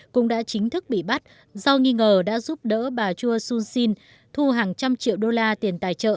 cũng đã chính thức bị bắt do nghi ngờ đã giúp đỡ bà choi soon sin thu hàng trăm triệu đô la tiền tài trợ